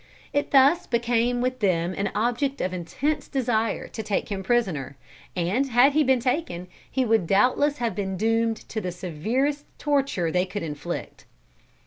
It thus became with them an object of intense desire to take him prisoner, and had he been taken, he would doubtless have been doomed to the severest torture they could inflict.